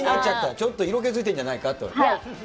ちょっと色気づいちゃってんじゃないのと。